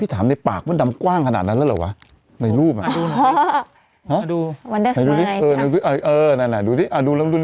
พี่ถามในปากมันดำกว้างขนาดนั้นแล้วหรอวะ